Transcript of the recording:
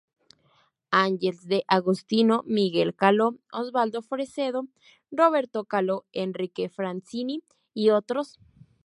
Angel D’Agostino, Miguel Caló, Osvaldo Fresedo, Roberto Caló, Enrique Francini, y otros.